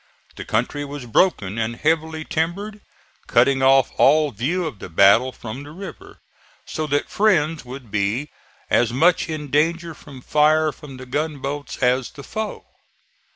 The country was broken and heavily timbered, cutting off all view of the battle from the river, so that friends would be as much in danger from fire from the gunboats as the foe.